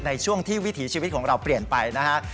ในช่วงที่วิถีชีวิตของเราเปลี่ยนไปนะฮะ